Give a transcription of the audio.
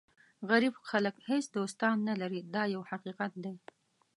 غریب خلک هېڅ دوستان نه لري دا یو حقیقت دی.